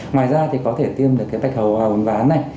ngoài ra thì có thể tiêm được cái bạch hầu ván này